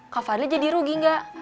kak fadli jadi rugi gak